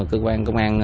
cơ quan công an